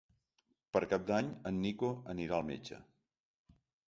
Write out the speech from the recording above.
Per Cap d'Any en Nico anirà al metge.